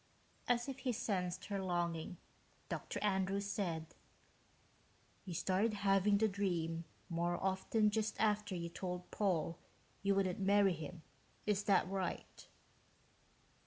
As if he sensed her longing, Dr. Andrews said, "You started having the dream more often just after you told Paul you wouldn't marry him, is that right?"